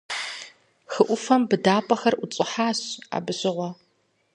Хы Ӏуфэм быдапӀэхэр ӀутщӀыхьащ абы щыгъуэ.